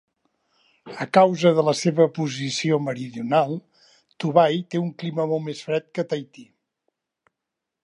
A causa de la seva posició meridional, Tubuai té un clima molt més fred que Tahití.